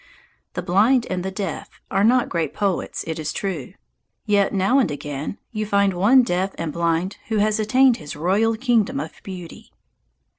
The blind and the deaf are not great poets, it is true. Yet now and again you find one deaf and blind who has attained to his royal kingdom of beauty.